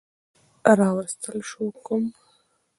راوستل شو کوم